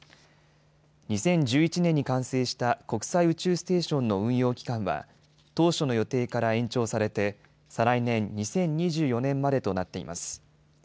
２０１１年に完成した国際宇宙ステーションの運用期間は、当初の予定から延長されて、再来年・２０２４年までとなっています。